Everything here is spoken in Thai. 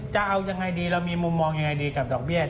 จะเอายังไงดีเรามีมุมมองยังไงดีกับดอกเบี้ย